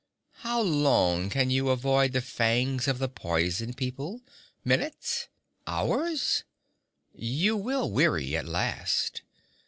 How long can you avoid the fangs of the Poison People? Minutes? Hours? You will weary at last.